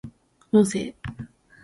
音声